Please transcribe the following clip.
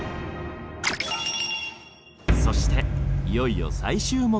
そしていよいよ最終目的地へ。